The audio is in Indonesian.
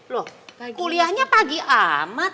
loh kuliahnya pagi amat